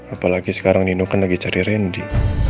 apalagi sekarang nino kan lagi cari randy